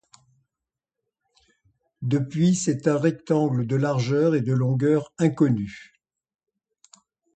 Depuis, c'est un rectangle de de largeur et de de longueur.